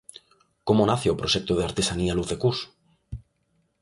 Como nace o proxecto de artesanía Lucecús?